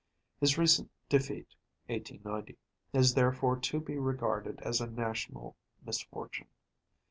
His recent defeat (1890) is therefore to be regarded as a national misfortune.